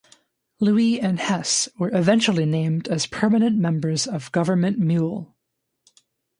Louis and Hess were eventually named as permanent members of Gov't Mule.